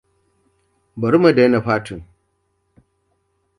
Bari mu daina fatin.